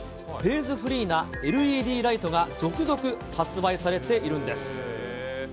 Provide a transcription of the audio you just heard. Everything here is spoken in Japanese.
フェーズフリーなＬＥＤライトが続々発売されているんです。